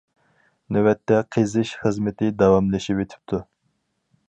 نۆۋەتتە، قېزىش خىزمىتى داۋاملىشىۋېتىپتۇ.